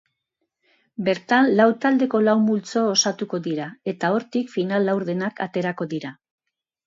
Bertan lau taldeko lau multzo osatuko dira eta hortik final-laurdenak aterako dira.